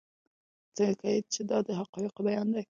ځکه چې دا د حقایقو بیان دی.